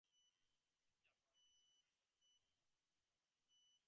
In Japan, it is a streetbrand that often collaborates with other streetwear brands.